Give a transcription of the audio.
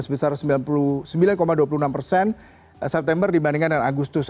sebesar sembilan puluh sembilan dua puluh enam di september dibandingkan dengan agustus